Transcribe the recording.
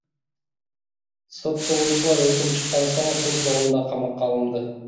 Соттолуучулар өкүм чыккан соң сот залында камакка алынды.